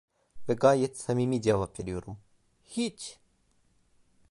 Ve gayet samimi cevap veriyorum: Hiç!